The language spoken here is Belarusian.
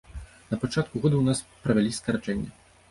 На пачатку года ў нас правялі скарачэнне.